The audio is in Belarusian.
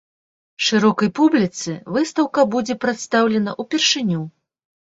Шырокай публіцы выстаўка будзе прадстаўлена ўпершыню.